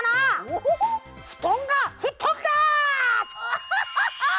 アハハハハ！